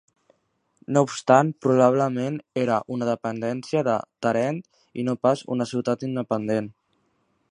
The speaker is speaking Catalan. No obstant probablement era una dependència de Tàrent i no pas una ciutat independent.